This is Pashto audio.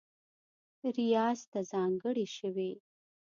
ریاض ته ځانګړې شوې